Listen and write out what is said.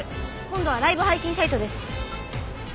今度はライブ配信サイトです。